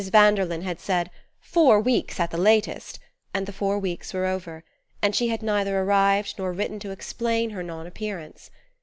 Vanderlyn had said: "Four weeks at the latest," and the four weeks were over, and she had neither arrived nor written to explain her non appearance.